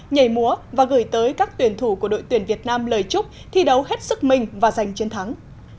nhảy múa và gửi tới các tuyển thủ của đội tuyển việt nam lời chúc thi đấu hết sức mình và giành chiến thắng